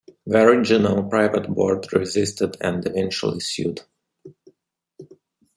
The original, private Board resisted and eventually sued.